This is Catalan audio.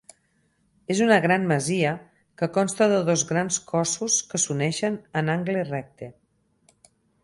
És una gran masia que consta de dos grans cossos que s'uneixen en angle recte.